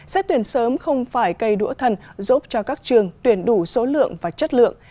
xét tuyển sớm không phải cây đũa thần giúp cho các trường tuyển đủ số lượng và chất lượng